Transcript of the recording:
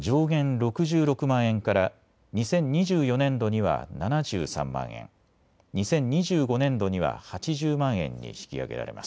６６万円から２０２４年度には７３万円、２０２５年度には８０万円に引き上げられます。